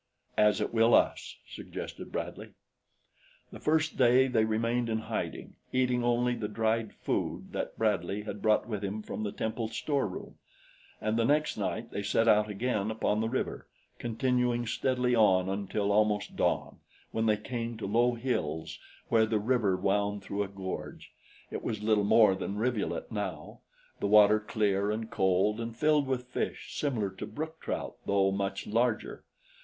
"As it will us," suggested Bradley. The first day they remained in hiding, eating only the dried food that Bradley had brought with him from the temple storeroom, and the next night they set out again up the river, continuing steadily on until almost dawn, when they came to low hills where the river wound through a gorge it was little more than rivulet now, the water clear and cold and filled with fish similar to brook trout though much larger.